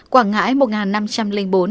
quảng ngãi một năm trăm linh bốn